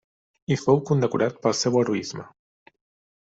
Hi fou condecorat pel seu heroisme.